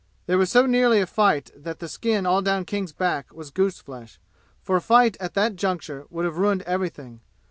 There was so nearly a fight that the skin all down King's back was gooseflesh, for a fight at that juncture would have ruined everything.